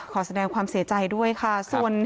ขอแสดงความเสียใจด้วยค่ะ